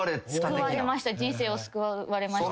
救われました。